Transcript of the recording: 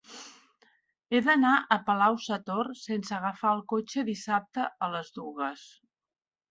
He d'anar a Palau-sator sense agafar el cotxe dissabte a les dues.